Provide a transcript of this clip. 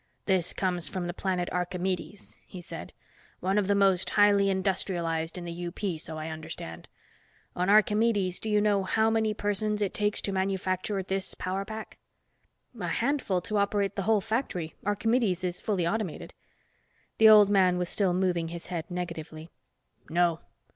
"This comes from the planet Archimedes," he said, "one of the most highly industrialized in the UP, so I understand. On Archimedes do you know how many persons it takes to manufacture this power pack?" "A handful to operate the whole factory, Archimedes is fully automated." The old man was still moving his head negatively. "No.